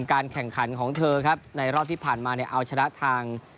การแข่งขันของเธอครับในรอบที่ผ่านมาเนี่ยเอาชนะทาง